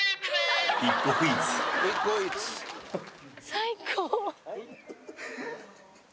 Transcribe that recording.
最高！